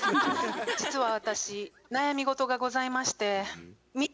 実は私悩み事がございまして。